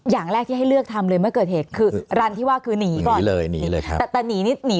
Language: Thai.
อย่างแรกที่ให้เลือกทำเลยเมื่อเกิดเหตุคือรันที่ว่าก็คือนี่ก่อน